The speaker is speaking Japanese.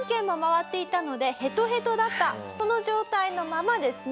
その状態のままですね